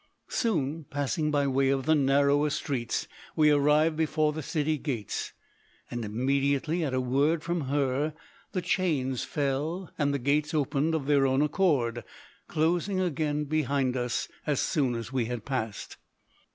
"Soon, passing by way of the narrower streets, we arrived before the city gates; and immediately at a word from her the chains fell and the gates opened of their own accord, closing again behind us as soon as we had passed.